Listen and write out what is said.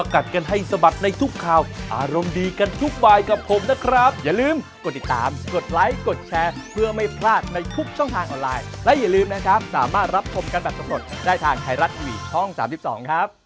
ค่ะอ่ะมีโอกาสก็ไปตามกันแล้วกันเพราะอยู่กันใกล้นี้เองค่ะ